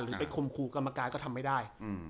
หรือไปคมครูกรรมการก็ทำไม่ได้